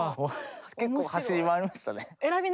結構走り回りましたね。